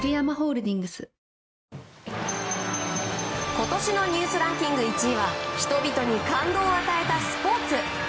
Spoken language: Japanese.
今年のニュースランキング１位は人々に感動を与えたスポーツ。